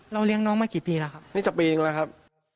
เลี้ยงน้องมากี่ปีแล้วครับนี่จะปีนึงแล้วครับ